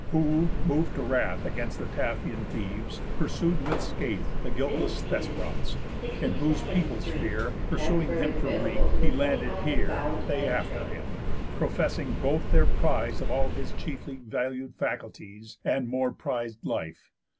Who (mov'd to wrath Against the Taphian thieves) pursued with scathe The guiltless Thesprots; in whose people's fear, Pursuing him for wreak, he landed here, They after him, professing both their prize Of all his chiefly valued faculties, And more priz'd life.